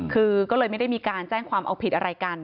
คือก็เลยไม่ได้มีการแจ้งความเอาผิดอะไรกัน